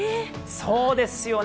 そうですよね。